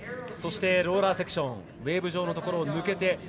そして、ローラーセクションウエーブ状のところを抜けて。